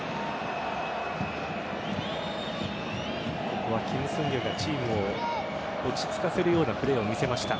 ここはキム・スンギュがチームを落ち着かせるようなプレーを見せました。